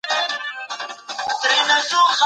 تولیدي امکانات د خصوصي سکتور لخوا برابر سول.